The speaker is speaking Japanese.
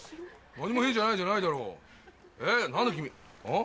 何も変じゃないじゃないだろ何だ君あ？